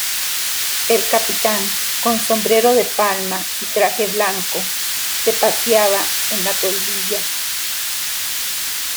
el capitán, con sombrero de palma y traje blanco , se paseaba en la toldilla: